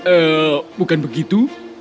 eh bukan begitu